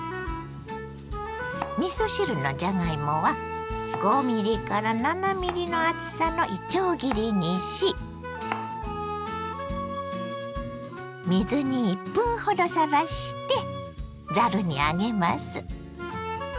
みそ汁のじゃがいもは５７ｍｍの厚さのいちょう切りにし水に１分ほどさらしてざるに上げます。